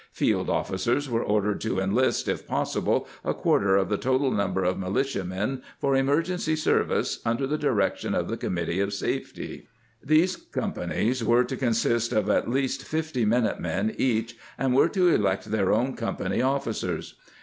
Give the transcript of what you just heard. Field officers were ordered to enlist, if possible, a quarter of the total number of militiamen for emergency service under the direction of the committee of safety; these companies were to consist of at least fifty minute men each, and were to elect their own .icompany officers.